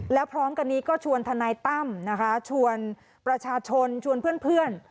แล้วพร้อมกันนี้ก็ชวนทนายตั้มนะคะชวนประชาชนชวนเพื่อน